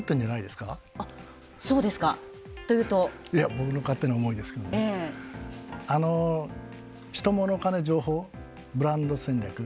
僕の勝手な思いですけどもねヒトモノカネ情報ブランド戦略。